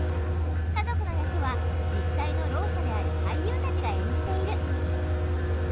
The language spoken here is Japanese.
家族の役は実際のろう者である俳優たちが演じている。